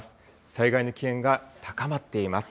災害の危険が高まっています。